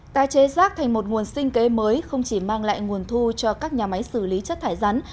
tái chế rác thành một nguồn sinh kế mới không chỉ mang lại nguồn thu cho các nhà máy xử lý chất thải rắn